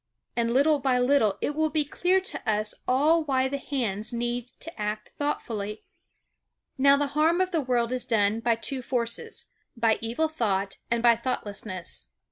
And little by little it will be clear to us all why the hands need to act thoughtfully. Now the harm of the world is done by two forces, by evil thought and by thoughtlessness.